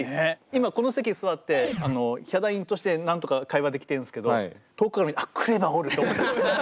今この席に座ってヒャダインとしてなんとか会話できてるんですけど遠くから見て「あっＫＲＥＶＡおる」と思って。